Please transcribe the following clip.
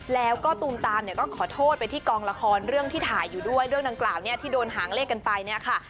แล้วก็ตูมตามเนี่ยก็ขอโทษไปที่กองละครเรื่องที่ถ่ายอยู่ด้วยเรื่องดังกล่าวเนี่ยที่โดนหางเลขกันไปเนี่ยค่ะ